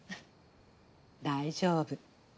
大丈夫。